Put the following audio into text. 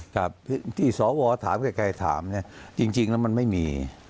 ครับที่สวถามใครถามเนี่ยจริงแล้วมันไม่มี